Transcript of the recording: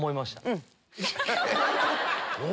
うん。